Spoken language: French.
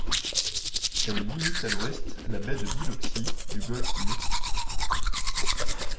Elle limite à l'ouest la baie de Biloxi du golfe du Mexique.